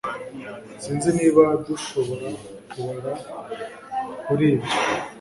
Sinzi niba dushobora kubara kuri ibyo